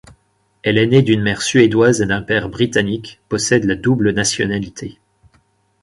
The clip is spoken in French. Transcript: Elle est née d'une mère suédoise et d'un père britannique, possède la double nationalité.